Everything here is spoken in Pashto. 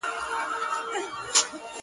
مونږه په زړونو کښې يادونه د هغو ساتلي